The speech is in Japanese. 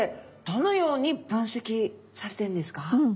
どのように分析されてるんですか？